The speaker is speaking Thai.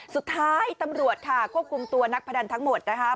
สุดท้ายตำรวจค่ะควบคุมตัวนักพนันทั้งหมดนะคะ